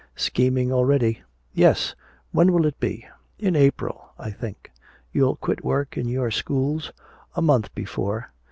"Scheming already." "Yes. When will it be?" "In April, I think." "You'll quit work in your schools?" "A month before."